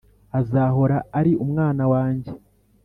azahora ari umwana wanjye